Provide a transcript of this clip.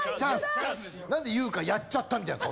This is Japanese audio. なんで優香「やっちゃった」みたいな顔。